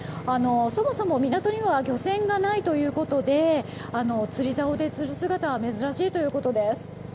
そもそも港には漁船がないということで釣り竿で釣る姿は珍しいということです。